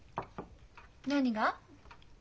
何が？